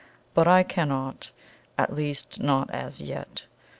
But I cannot at least, not as yet.